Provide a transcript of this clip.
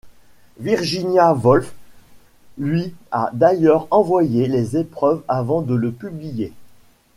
Virginia Woolf lui a d'ailleurs envoyé les épreuves avant de le publier.